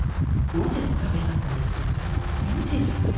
文字が？